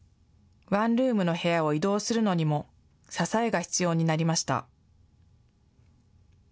ワンルームの部屋を移動するのにも、支えが必要になりました。